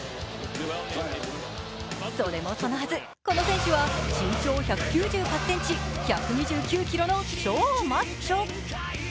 それもそのはず、この選手は慎重１９８ｃｍ、１２９ｋｇの超マッチョ。